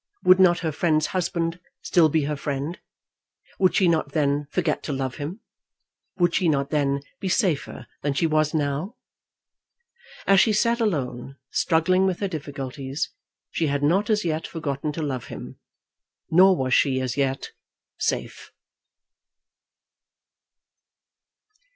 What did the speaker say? Would not her friend's husband still be her friend? Would she not then forget to love him? Would she not then be safer than she was now? As she sat alone struggling with her difficulties, she had not as yet forgotten to love him, nor was she as yet safe.